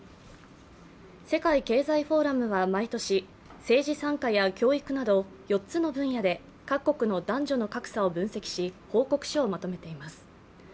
世界経済フォーラムは毎年、政治参加や教育など、４つの分野で各国の男女の格差を分析し、報告書をまとめています。